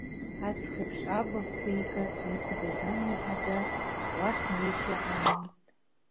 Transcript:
Ацҳа еиԥш абахә ика иқәдаз амҩа ада, уахь неишьа амамызт.